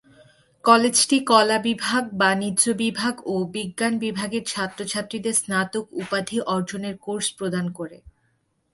কলেজটি কলাবিভাগ, বাণিজ্য বিভাগ ও বিজ্ঞান বিভাগের ছাত্রছাত্রীদের স্নাতক উপাধি অর্জনের কোর্স প্রদান করে।